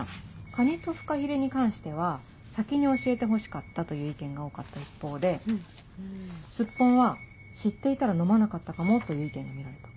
カニとフカヒレに関しては「先に教えてほしかった」という意見が多かった一方でスッポンは「知っていたら飲まなかったかも」という意見が見られた。